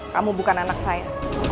kamu bukan anak saya